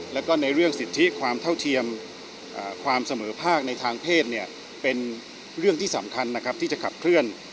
แล้วก็ในเรื่องสิทธิความเท่าเทียมความเสมอภาคในทางเพศเนี่ยเป็นเรื่องที่สำคัญนะครับที่จะขับเคลื่อน